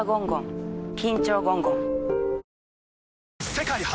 世界初！